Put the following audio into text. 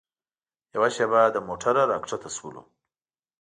یوه شېبه له موټره راښکته شولو.